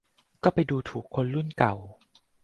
ก็ไปดูถูกคนรุ่นเก่า